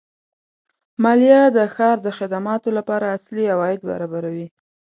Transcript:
مالیه د ښار د خدماتو لپاره اصلي عواید برابروي.